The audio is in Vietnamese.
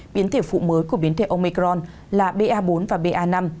biến thể phụ mới của biến thể omicron là ba bốn và ba năm